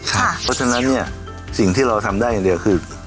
เพราะฉะนั้นเนี่ยสิ่งที่เราทำได้อย่างเดียวคือ